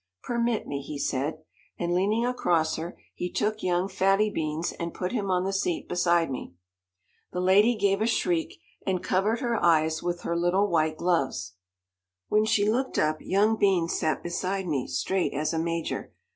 "Permit me," he said, and leaning across her he took young Fatty Beans and put him on the seat beside me. The lady gave a shriek, and covered her eyes with her little white gloves. When she looked up, young Beans sat beside me, straight as a major.